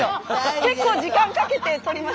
結構時間かけて撮りました。